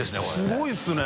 すごいですね。